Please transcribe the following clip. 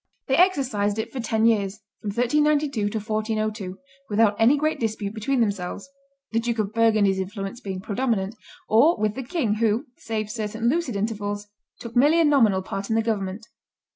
They exercised it for ten years, from 1392 to 1402, without any great dispute between themselves the Duke of Burgundy's influence being predominant or with the king, who, save certain lucid intervals, took merely a nominal part in the government.